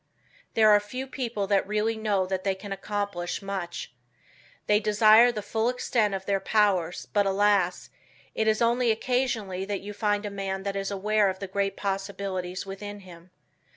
There are few people that really know that they can accomplish much. They desire the full extent of their powers, but alas, it is only occasionally that you find a man that is aware of the great possibilities within him.